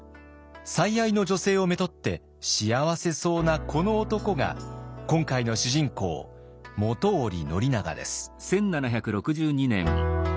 最愛の女性をめとって幸せそうなこの男が今回の主人公本居宣長です。